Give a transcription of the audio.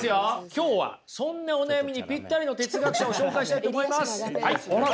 今日はそんなお悩みにぴったりの哲学者を紹介したいと思います。